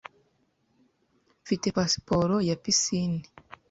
Mfite pasiporo ya pisine.